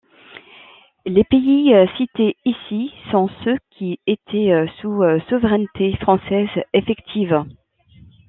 Les pays cités ici sont ceux qui étaient sous souveraineté française effective.